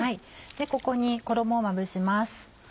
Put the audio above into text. ここに衣をまぶします。